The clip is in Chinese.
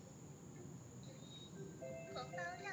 其观点受到反中共政府者的欢迎。